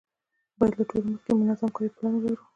باید له ټولو مخکې منظم کاري پلان ولرو.